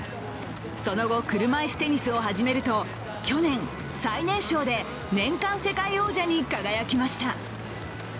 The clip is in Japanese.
その後、車いすテニスを始めると去年、最年少で年間世界王者に輝きました。